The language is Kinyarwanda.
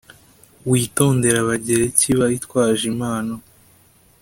witondere abagereki bitwaje impano